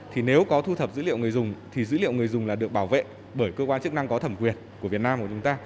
thì nếu có thu thập dữ liệu người dùng thì dữ liệu người dùng là được bảo vệ bởi cơ quan chức năng có thẩm quyền của việt nam của chúng ta